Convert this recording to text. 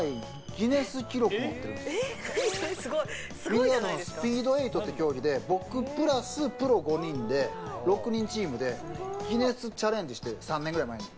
ビリヤードのスピード８という競技で僕プラス、プロ５人で６人チームでギネスチャレンジして３年ぐらい前に。